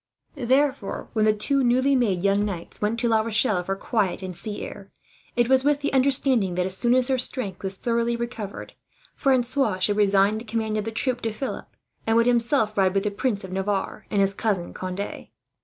Therefore, when the two newly made young knights went to La Rochelle, for quiet and sea air, it was with the understanding that, as soon as their strength was thoroughly recovered, Francois should resign the command of the troop to Philip, and would himself ride with the Prince of Navarre and his cousin Conde.